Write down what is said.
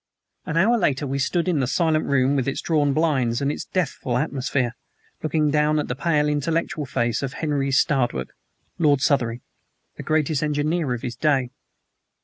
An hour later we stood in the silent room, with its drawn blinds and its deathful atmosphere, looking down at the pale, intellectual face of Henry Stradwick, Lord Southery, the greatest engineer of his day.